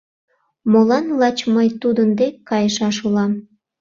— Молан лач мый тудын дек кайышаш улам?